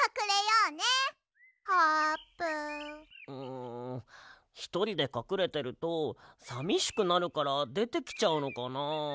んひとりでかくれてるとさみしくなるからでてきちゃうのかな。